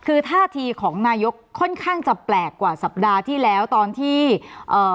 คือท่าทีของนายกค่อนข้างจะแปลกกว่าสัปดาห์ที่แล้วตอนที่เอ่อ